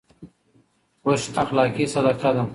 خوش اخلاقي صدقه ده.